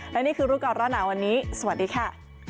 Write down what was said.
และนี่คือรู้ก่อนร้อนหนาวันนี้สวัสดีค่ะ